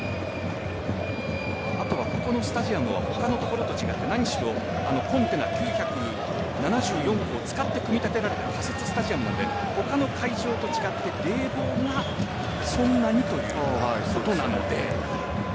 あとはここのスタジアムは他の所と違ってコンテナ９７４個を使って組み立てられた仮設スタジアムなので他のスタジアムと違って冷房がそんなにということなので。